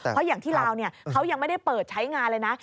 เพราะอย่างที่ลาวเขายังไม่ได้เปิดใช้งานเลยนะ